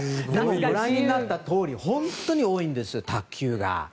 ご覧になったとおり本当に多いんです、卓球が。